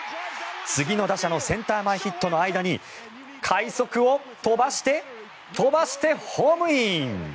次の打者のセンター前ヒットの間に快足を飛ばして、飛ばしてホームイン！